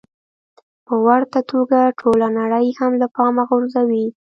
په ورته توګه ټوله نړۍ هم له پامه غورځوي.